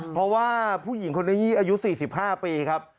เพราะว่าผู้หญิงคนนี้อายุ๔๕ปีครับ